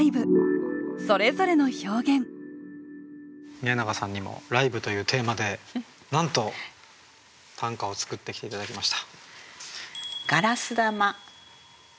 宮永さんにも「ライブ」というテーマでなんと短歌を作ってきて頂きました。